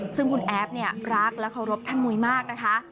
ซึ่งคุณแอฟเนี่ยรักและเคารพท่านมุ้ยมากนะคะ